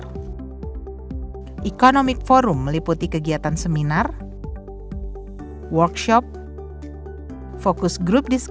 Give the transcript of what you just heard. rangkaian acara tahunan yang mengintegrasikan pengembangan ekonomi syariah apabila sektor realnya ini berkembang lebih baik dibandingkan dengan di masa lalu